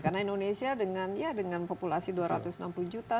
karena indonesia dengan ya dengan populasi dua ratus enam puluh juta